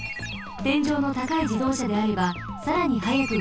てんじょうのたかいじどうしゃであればさらにはやくもどります。